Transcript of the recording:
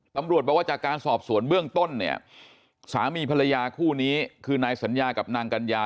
ตำรวจบอกว่าจากการสอบสวนเบื้องต้นเนี่ยสามีภรรยาคู่นี้คือนายสัญญากับนางกัญญา